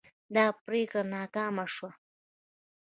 دا پریکړه ناکامه شوه.